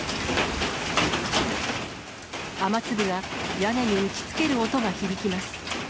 雨粒が屋根に打ちつける音が響きます。